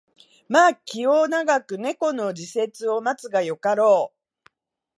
まあ気を永く猫の時節を待つがよかろう